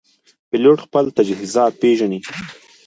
پیلوټ خپل تجهیزات پېژني.